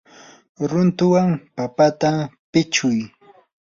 runtuwan papata pichuy.